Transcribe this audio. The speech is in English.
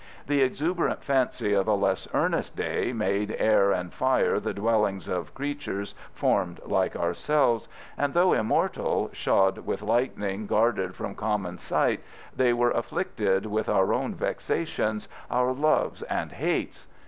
The exuberant fancy of a less earnest day made air and fire the dwellings of creatures formed like ourselves, and, though immortal, shod with lightning, guarded from common sight, they were afflicted with our own vexations, our loves and hates.